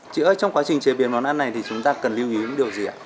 chị ơi trong quá trình chế biến món ăn này thì chúng ta cần lưu ý những điều gì ạ